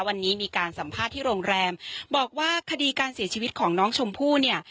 วันนี้มีการสัมภาษณ์ที่โรงแรมบอกว่าคดีการเสียชีวิตของน้องชมพู่เนี่ย